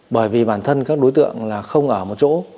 bởi vì bản thân các đối tượng là không ở một chỗ